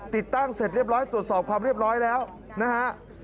ติดตั้งเสร็จเรียบร้อยตรวจสอบความเรียบร้อยแล้วนะฮะ